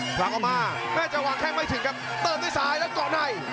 พราคออนมาแม่จะวางแค่ไม่ถึงครับติดด้วยสายแล้วจอกใน